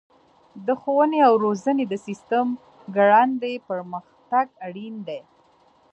د ښوونې او روزنې د سیسټم ګړندی پرمختګ اړین دی.